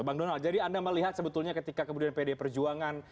bang donald jadi anda melihat sebetulnya ketika kemudian pdi perjuangan